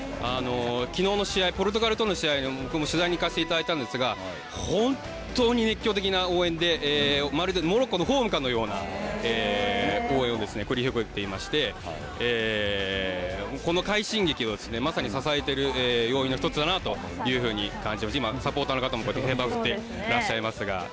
昨日の試合、ポルトガルの試合も、僕も取材に行かせていただいたんですけど、本当に熱狂的な応援で、まるでモロッコのホームかのような応援を繰り広げていまして、この快進撃をまさに支えている要因の１つだなというふうに感じて、今、サポーターの方も、旗を振っていらっしゃいましたが。